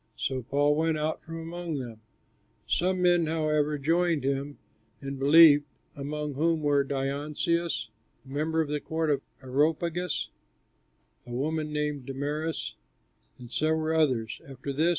So Paul went out from among them. Some men, however, joined him and believed, among whom were Dionysius, a member of the Court of the Areopagus, a woman named Damaris, and several others.